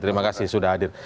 terima kasih sudah hadir